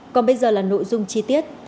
còn bây giờ là nội dung chi tiết